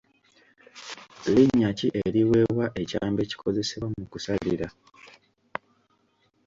Linnya ki eriweebwa ekyambe ekikozesebwa mu kusalira?